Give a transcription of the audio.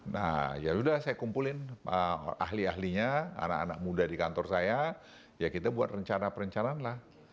nah yaudah saya kumpulin ahli ahlinya anak anak muda di kantor saya ya kita buat rencana perencanaan lah